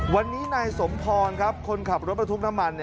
วันนี้นายสมพรครับคนขับรถบรรทุกน้ำมัน